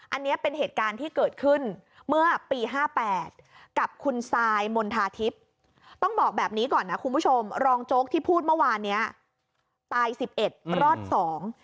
อันนี้เป็นเหตุการณ์ที่เกิดขึ้นเมื่อปีห้าแปดกับคุณซายมณฑาทิพย์ต้องบอกแบบนี้ก่อนนะคุณผู้ชมรองโจ๊กที่พูดเมื่อวานเนี้ยตายสิบเอ็ดรอดสอง